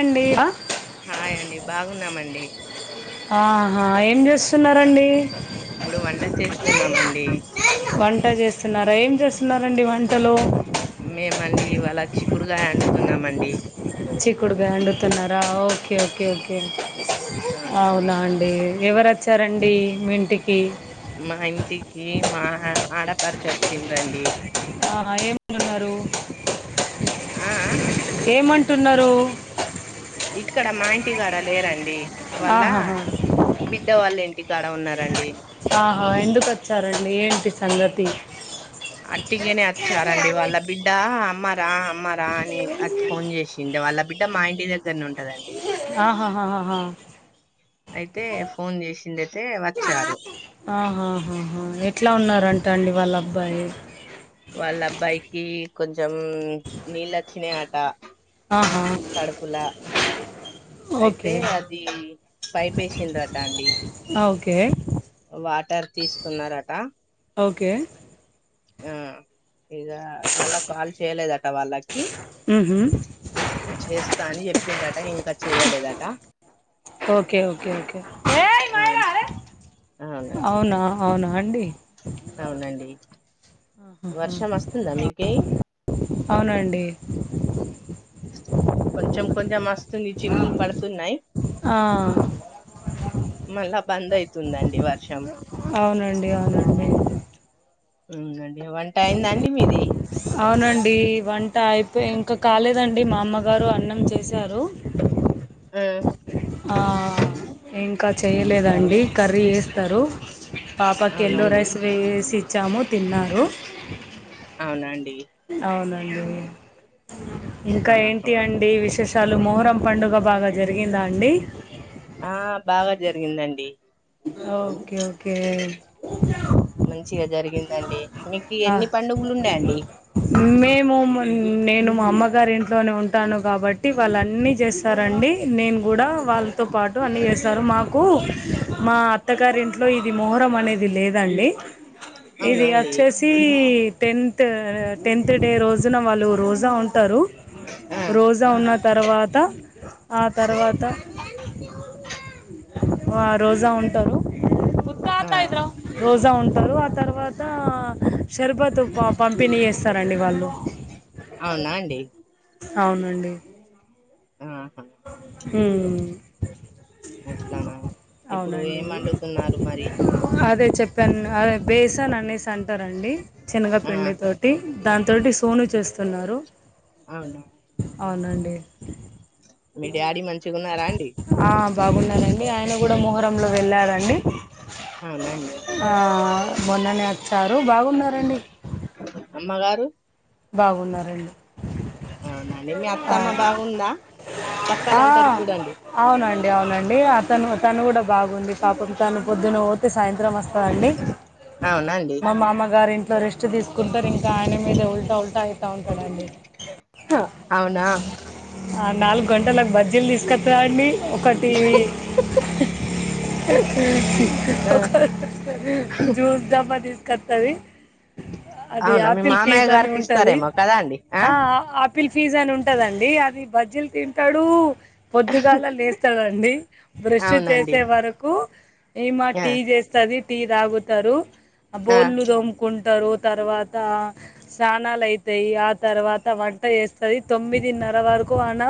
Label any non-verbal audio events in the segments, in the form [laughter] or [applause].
అండి ఆ హాయ్ అండి బాగున్నామండి ఆహా ఏం చేస్తున్నరండి ఇప్పుడు వంట చేస్తున్నామండి వంట చేస్తున్నారా ఏం చేస్తున్నారండి వంటలో మేమండి ఇ వాళ చిక్కుడుగాయండుతున్నామండి చిక్కుడుగాయొండుతున్నారా ఓకే ఓకే ఓకే అవునండి అవునా అండి ఎవరోచ్చారండి మీ ఇంటికి మా ఇంటికి మా అ ఆడపరచొచ్చింరండి ఆహా ఏమన్నారు ఆఆ ఏమంటున్నారు ఇక్కడ మా ఇంటికాడ లేరండి వాళ్ళ ఆహాహా బిడ్డ వాళ్ళ ఇంటికాడ ఉన్నారండి ఆహా ఎందుకు వచ్చారండి ఏంటి సంగతి అట్టిగనే వచ్చారండి వాళ్ళ బిడ్డ అమ్మరా అమ్మరా అని ఫోన్ చేసిండే వాళ్ళ బిడ్డ మా ఇంటి దగ్గరనే ఉం ఆహాహాహా అయితే ఫోన్ చేసింది అయితే వచ్చారు ఆహాహాహా ఎట్లా ఉన్నారంటా అండి వాళ్ళ అబ్బాయి వాళ్ళ అబ్బాయికి కొంచెం నీళ్లువచ్చినయట ఆహా కడుపుల అయితే ఓకే అది పైపు వేసిండ్రట అండి ఓకే వాటర్ తీసుకున్నారట ఓకే ఆ ఇగ మళ్ళా కాల్ చేయలేదట వాళ్ళకి ఉహు చేస్తా అని చెప్పిర్రాట ఇంకా చేయలేదట ఓకే ఓకే ఓకే ఏయ్ మైరా అవును అరే అవునండి అవునా అవునా అండి అవునండి ఆహాహా. వర్షం వస్తుందా మీకే అవునండి కొంచెం కొంచెం వస్తుంది చినుకులు పడుతున్నాయి ఆ మళ్ళా బంద్ అయితుందండి వర్షం అవునండి అవునండి అవునండి వంట అయ్యిందా అండి మీది అవునండి వంట అయిపోయి ఇంకా కాలేదండి మా అమ్మగారు అన్నం చేశారు ఆ ఆ ఇంకా చేయలేదండి కర్రీ చేస్తారు పాపకి ఎల్ల్లో అవునండి రైస్ వేసిచ్చాము తిన్నారు అవునా అండి అవునండి ఇంకా ఆహా. ఏంటి అండి విశేష తాలు మొహరం పండుగ బాగా జరిగిందా అండి ఆ బాగా జరిగిందండి ఓకే ఓకే మంచిగా జరిగిందండి మీకు ఆ ఎన్ని పండుగులు ఉన్నాయండి మేము నేను మా అమ్మగారి ఇంట్లోనే ఉంటాను కాబ బట్టి వాళ్ళ అన్నీ చేస్తారండి నేను కూడా వాళ్ళతో పాటు అన్నీ చేస్తారు మాకు మా అత్తగారింట్లో ఇది మొహరం అనేది లేదండి ఇది అవునా అండి వచ్చేసి ప్రతి టెన్త్ టెన్త్ డే రోజున వాళ్ళు రోజా ఉంటారు ఆ రోజా ఉన్న తర్వాత ఆ తర్వాత ఆ రోజా ఉంటారు ఆ రోజా ఉంటారు ఆ తర్వా షర్బత్ పంపిణీ చేస్తారండి వాళ్ళు అవునా అండి అవునండి ఆహా హ్మ్ అట్లానా ఇప్పుడు అవునండి ఏం వండుతున్నారు మరి అదే చెప్పు బెసాన్ అనేసి అంటారండి శెనగ ఆ పిండి తోటి దాని తోటి సోను చేస్తున్నారు ఆ అండీ అవునండి మీ డాడీ మంచిగా ఉన్నారా అండి ఆ బాగున్నారండి ఆయన కూడా మొహరంలో వెళ్ళారండి అవునా అండీ ఆ మొన్ననే వచ్చారు బాగున్నారండి అమ్మగారు బాగున్నారండి అవునా అండీ మీ ఆ, అత్తమ్మ బాగుందా కట్టేలా ఆ, ఉంటారు చూడండి అవునండి అవునండి అతను తను కూడా బాగుంది పాపకు తను పొద్దున పోతే సాయంత్రం వస్తది అండి అవునా అండి మా మామగారు ఇంట్లో రెస్ట్ తీసుకుంటారు ఇంకా ఆయన మీద ఉ తల్తా అవుతా ఉంటాడండి హా అవునా నాలుగు గంటలకు బజ్జీలు తీసుకొస్తా అండి ఒకటి ఆ ఒక్క జ్యూస్ డబ్బా తీసుకొస్తది అది అవునా మీ ఆపిల్ మామయ్య పీజా అని గారికి ఉంటది ఇస్తారేమో కదా అండి ఆ ఆ ఆపి ఆపిల్ ఫీజ్ అని ఉంటదండి అది బజ్జీలు తింటాడు పొద్దుగాలనే లేస్తాడండి బ్రష్ అవునండి చేసే వరకు ఏమ్మా ఆ టీ చేసి వస్తది టీ తాగుతారు ఆ బోల్లు దోముకుంటారు తర్వాత స్నానాలయితాయి ఆ తర్వాత వంట చేస్తది తొమ్మిదిన్నర వరకు ఉప్మా నా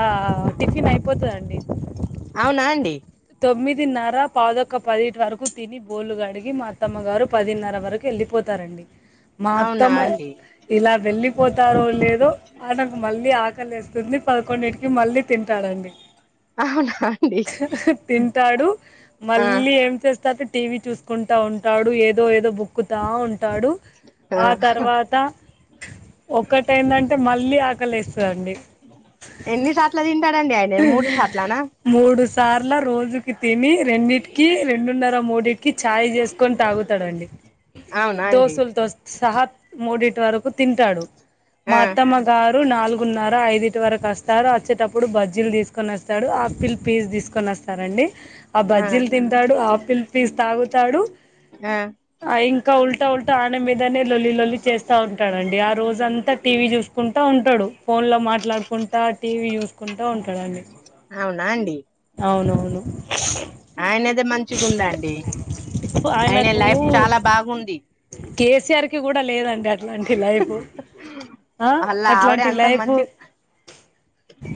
ఆ ఆ టిఫిన్ అయిపోతదండి అవునా అండి తొమ్మిదిన్నర పాదొక్క పదిటి వరకు తిని బోలు కడిగి మా అత్తమ్మ గారు పదిన్నర వరకు వెళ్ళిపోతారండి అవునా మాత్తమ్మా అండి ఇలా వెళ్ళిపోతారో లేదో ఆయనకు మళ్ళీ ఆకలి పొద్దున పదకొండింటికి మళ్ళీ తింటాడండి అవునా అండి హ్మ్ హు తింటాడు ఆ మళ్ళీ ఏం చేస్తారు టీవీ చూసుకుంటా ఉంటాడు ఏదో ఏదో బుక్ తీస్కో చదువుతా ఉంటాడు ఆ తర్వాత ఒక్కటి ఏందంటే మళ్ళీ ఆకలి వేస్తుందండి ఎన్ని సాట్ల తింటారండి ఆయనే మూడు సాట్లనా మూడు సార్ల రోజుకి తిని రెండింటికి రెండున్నర మూడిటికి ఛాయ్ చేస్త కొని తాగుతాడు అండి అవునా అండి దోస్తుల్ తో సహా మూడిటి వరకు తింటాడు మా ఆ అత్తమ్మ గారు నాలుగున్నర ఐదుటి వరకు వస్తారు వచ్చేటప్పుడు ప్పుడు బజ్జీలు తీసుకొని వస్తాడు ఆఫిల్ పీస్ తీసుకొని వస్తారండి ఆ బజ్జీలు తింటాడు ఆపిల్ పీస్ తాగుతాడు ఆ ఆ ఇంకా ఉల్టా ఉల్టా ఆయన మీదనే లొల్లి లొల్లి చేస్తా ఉంటాడు అండి ఆ రోజంతా టీవీ చూస్త ఉంటా ఉంటాడు ఫోన్ లో మాట్లాడుకుంటా టీవీ చూస్తూ చూస్తా ఉంటా ఉంటాడండీ అవునా అండి అవునవును ఆయనదే మంచిగుందండీ ఆయన ఆయనకు లైఫ్ చాలా బాగుంది కేసీఆర్ కి గూడ లేదండి అ ట్లాంటి లైఫు ఆ అలా ఆవిడే అట్లాంటి అంత లైఫు మంచి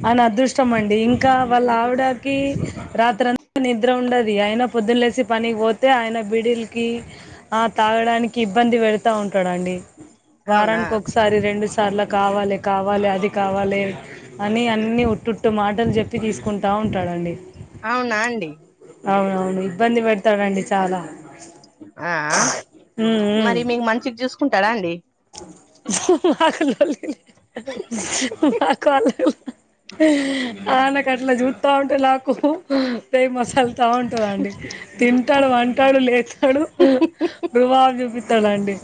అయిన అదృష్టమండీ ఇంకా వళ్ళావిడాకీ రాత్రంత నిద్ర ఉండదు అయిన పొద్దున్లేసి పనిక్ బోతే ఆయన బిడీల్కీ ఆ తాగడానికి ఇబ్బంది వెడుతా ఉంటడండీ అవునా వారాన్కొక్సా సారి రెండుసార్ల కావాలె కావాలె అది కావాలే అని అన్నీ ఉట్టు ట్టు మాటల్ జెప్పి దీస్కుంటా ఉంటాడండి అవునా అండి అవునవును ఇబ్బంది వెడుతాడండి చాలా ఆ ఉమ్ ఉమ్ మరి మీక్ మంచిగ్ జూస్కుంటడా అండి [unintelligible] ఆ నాకట్ల జూత్తా ఉంటె నాకూ పెయ్ మసల్ తా వుంటదండి తింటడు వంటడు లేత్తడు రువాబ్ జూపిత్తడండి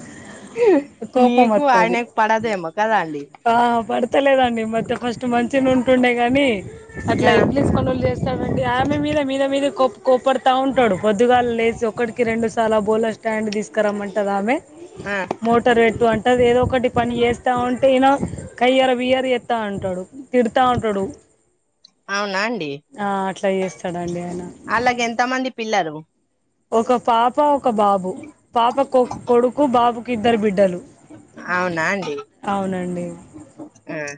నీకూ ఆయనక్ పడదేమో కదా అండి ఆ పడుతలేదండీ మధ్య ఫస్టు మంచిగనే ఉంటుండే గనీ అట్ల ఆ ఎబ్లీస్ పనుల్ జేస్ డండి ఆమె మీద మీద మీద కోప్ కోప్పడుతా ఉంటడు పొద్దుగాల్లేసి ఒక్కటికి రెండు సార్ల బోల్ల స్టాండ్ దీస్కరమ్మంటదామె ఆ [unintelligible] అంటది ఏదో ఒకటి పని యేస్తా ఉంటె ఇనో కయ్యర బియ్యర్ యేత్తా ఉంటడు తిడ్తా ఉంటడు అవ్నా అండీ ఆయన ఆళ్లకెంత మంది పిల్లరూ ఒక పాపా ఒక బాబు పాపకొ కొడుకు బాబుకిద్దరు బిడ్డలు అవునా అండి అవునండి ఆహ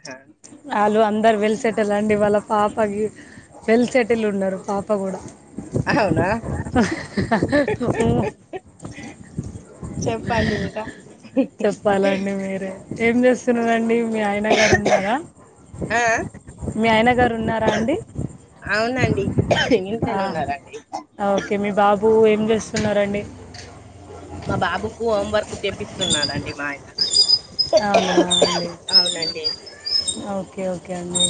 ఆళ్ళు అందరు వెల్సెటలండి వాళ్ళ పాపగీ వెల్సెటిలున్నరు పాప గూడ అవునా ఓ చెప్పండింకా చెప్పాలండి మీరే ఏం జేస్తున్నరండీ మీ ఆయన గారున్నార ఆ ఆ మీ ఆయన గారున్నారా అండి అవునండి ఇంట్లోనే ఆహ ఉన్నారండి ఆ ఓకే మీ బాబూ ఏం జేస్తున్నారండి మా బాబుకు హోంవర్క్ చేపిస్తున్నాడండి మా ఆయన అవునా అండి అవునండి ఓకే ఓకే అండి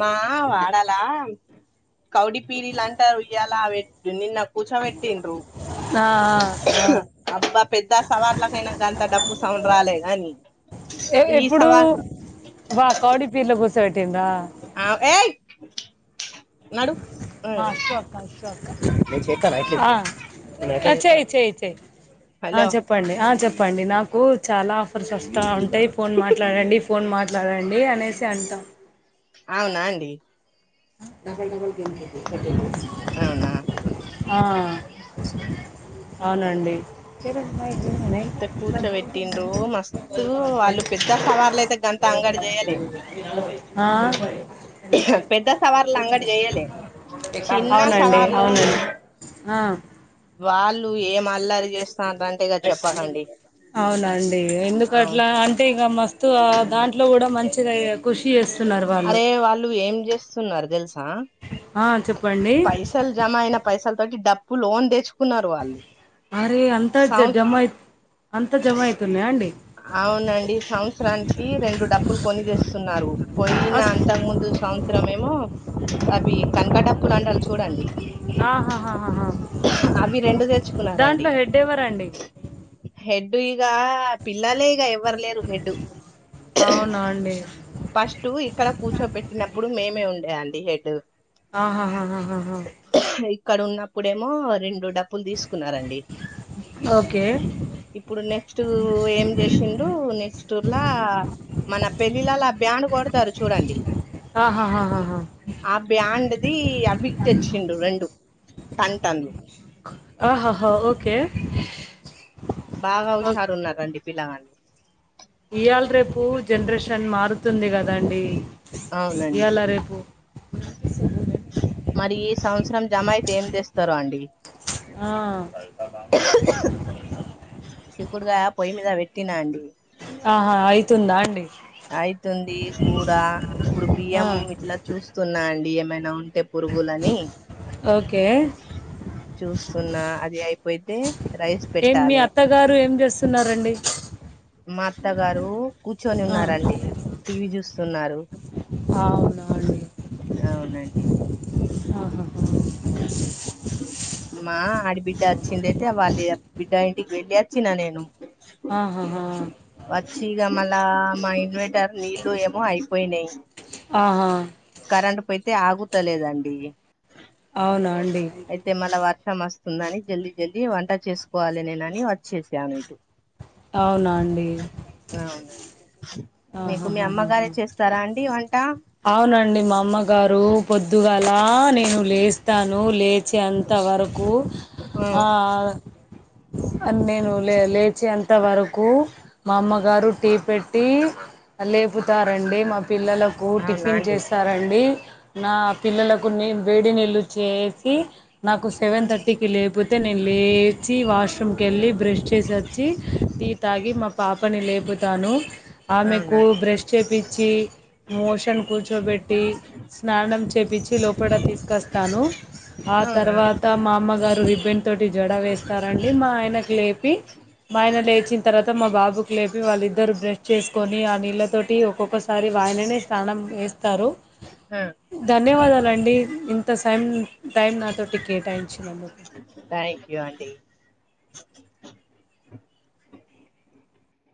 మా వాడలా కౌడి పీరిలంటరు ఇయ్యాలా వెట్ నిన్న కూర్చొవెట్టిన్రూ ఆ, ఆ, ఆ. అబ్బ పెద్ద సవార్లకైనా గంత డప్పు సౌండ్ రాలే గానీ ఎ ఎప్పుడూ వా కౌడి పీర్లు గూసో వెట్టిన్రా ఆ ఏయ్ నడు ఉమ్, [unintelligible] నేన్ చేతన్న ఇట్ల ఇపుడు, ఆ, నాకేమో ఇపుడు, ఆ చెయ్ చెయ్ చెయ్ ఆ హలో చెప్ చెప్పండి ఆ చెప్పండి నాకు చాలా ఆఫర్స్ వస్తా ఉంటాయి ఫోన్ మాట్లాడండి ఫోన్ మాట్లాడండి అనేసి అంటాం అవునా అండి డబల్ డబల్ గేమ్స్ [unintelligible] అవునా అవునండి త కూర్చోబెట్టిన్రు మస్తు వాళ్ళు పెద్ద సవార్లు అయితే గంత అంగడి చేయాలె ఆ పెద్ద సవార్లు అంగడి చేయలే చిన్న అవునండి సవార్లోళ్ళు అవునండి ఆ వాళ్ళు ఇగ ఏం అల్లరి చేస్తరంటే ఇగ చెప్పకండి అవునండి ఎందుకు ఆ అట్లా అంటే ఇక మస్తు స్తు ఆ దాంట్లో కూడా మంచిగా ఇగ ఖుషి చేస్ అరే వాళ్ళు ఏం చేస్తున్నారు తెలుసా ఆ చెప్పండి పైసలు జమ అయిన పైసల తోటి డప్పు లోన్ తెచ్చుకున్నారు వాళ్ళు మరే అంతా జ సంవ జమ అయి అంతా జమ అవుతున్నాయా అండి అవునండి సంవత్సరానికి రెండు డప్పులు కొని చేస్తున్నారు పోయిన అస్ అంత ముందు సంవత్సరం ఏమో అవి కనక డప్పులంటారు చూడండి ఆహా అవి రెండు దాంట్లో హెడ్ ఎవరండి హెడ్డు ఇగ పిల్లలే ఇగ ఎవ్వరు లేరు హెడ్ అవునా అండి ఫస్ట్ ఇక్కడ కూర్చోబెట్టినప్పుడు మేమే ఉండే అండి హెడ్ ఆహాహాహాహాహా ఇక్కడ ఉన్నప్పుడేమో రెండు డప్ ప్పులు తీసుకున్నారండి ఓకే ఇప్పుడు నెక్స్ట్ ఏం చేసిండ్రు నెక్స్ట్ ల మన పెళ్ళిళ్ళలా అ బ్యాండు కొడతారు చూడండి ఆహాహాహాహాహా ఆ బ్యాండ్ది అవి తెచ్చిండు రెండు టంటలు ఆహాహా ఓకే బాగా ఓ- హుషారు ఉన్నారండి పిల్లగాలు ఇయాళ రేపు జనరేషన్ మారుతుంది కదాండి అవునండి ఇయాళ రేపు మరి ఈ సంవత్సరం జమ అయితే ఏం తెస్తరు అండి ఆ శికుడుగాయ పొయి మీద పెట్టినా అండి ఆహా అయితుందా అండి అయితుంది కూర ఇప్పుడు బియ్యం ఆ. ఇట్లా చూస్తున్నా అండి ఏమైనా ఉంటే పురుగులని ఓకే చూస్తున్నా అది అయిపోతే రైస్ పెట్టాలి గారు ఏం చేస్తున్నారండి మా అత్తగారు కూర్చొని ఆ, ఉన్నారండి టీవీ చూస్తున్నారు ఆవున అవునండి ఆహాహా. మా ఆడబిడ్డ వచ్చిందియితే వాళ్ళ బిడ్డ ఇంటికి వెళ్ళి వచ్చిన నేను. ఆహాహా వచ్చి ఇగా మళ్ళా మా ఇన్వై టర్ నీళ్లు ఏమో అయిపోయినాయి ఆహా. కరెంట్ పోతే ఆగుతలేదండి అవునా అండి. తేమల్ల వర్షం వస్తుందని జల్దీ జల్దీ వంట చేసుకోవాలి నేనని వచ్చేసాను ఇటు. అవునా అండి అవునండి మీకు మీ ఆహాహాహాహా. అమ్మగారే చేస్తారా అండి వంట. అవునండి మా అమ్మగారు పొద్దుగాల నేను. లేస్తాను లేచేంత వరకు ఆ నేను లే లేచేంత వరకు మా అమ్మగారు టీ పె. ట్టి లేపుతారండి మా పిల్లలకు అవునా టిఫిన్ అండి చేసారండి. నా పిల్లలకు నీ వేడి నీళ్ళు చేసి నాకు సెవెన్ థర్టీకి లేపితే నేను లేచి వాష్రూమ్కి వెళ్ళి బ్రష్ చేసి వచ్చి టీ. తాగి మా పాపని లేపుతాను‌ ఆమెకు అవునా బ్రష్ చెప్పించి మోషన్. కూర్చోబెట్టి స్నానం చేపించి లోపల తీసుకొస్తాను. ఆ అవునా తర్వాత మా అమ్మగారు రిబెన్ తోటి జడ వేస్తారండి మా ఆయనకు లేపి. మా ఆయన లేచిన తర్వాత మా బాబుకు లేపి వాళ్ళిద్దరు బ్రష్ చేసుకోని ఆ నీళ్ళతోటి ఒక్కొక్క. ఒకసారి ఆయననే స్నానం ఏస్తారు. హ్మ్మ్ ధన్యవాదాలండి ఇంతా సై టైం నాతోటి కేటాయించినందుకు థ్యాంక్ యూ ఆండి‌